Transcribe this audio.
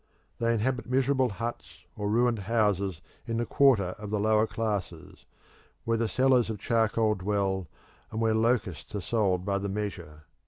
They inhabit miserable huts or ruined houses in the quarter of the lower classes, where the sellers of charcoal dwell and where locusts are sold by the measure.